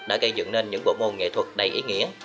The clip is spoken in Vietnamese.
đã gây dựng nên những bộ môn nghệ thuật đầy ý nghĩa